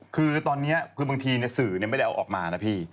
คือตอนนี้คือบางทีสื่อไม่ได้เอาออกมานะพี่